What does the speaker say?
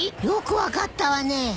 よく分かったわね。